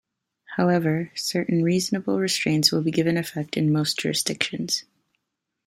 However, certain "reasonable" restraints will be given effect in most jurisdictions.